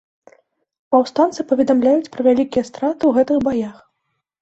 Паўстанцы паведамляюць пра вялікія страты ў гэтых баях.